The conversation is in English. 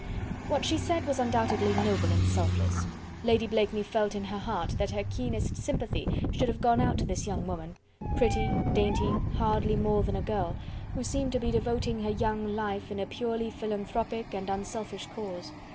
What she said was undoubtedly noble and selfless. Lady Blakeney felt in her heart that her keenest sympathy should have gone out to this young woman pretty, dainty, hardly more than a girl who seemed to be devoting her young life in a purely philanthropic and unselfish cause.